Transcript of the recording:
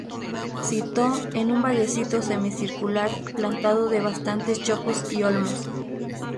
Sito en un vallecito semicircular plantado de bastantes chopos y olmos.